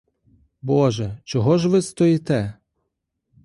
Боже, чого ж ви стоїте?